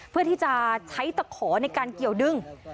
เพื่อที่จะใช้ตะขอในการเกี่ยวดึง